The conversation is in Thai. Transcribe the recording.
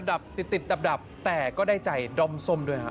ไมค์ติดดับแต่ก็ได้ใจดอมส้มด้วยครับ